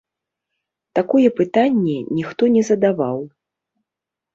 Такое пытанне ніхто не задаваў!